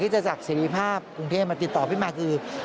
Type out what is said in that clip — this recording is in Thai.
คือแม้ว่าจะมีการเลื่อนงานชาวพนักกิจแต่พิธีไว้อาลัยยังมีครบ๓วันเหมือนเดิม